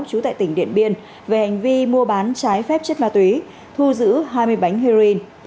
trú tại tỉnh điện biên về hành vi mua bán trái phép chất ma túy thu giữ hai mươi bánh heroin